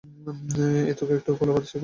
এইতো একটু খোলা বাতাসে ঘুরে বেড়ানো।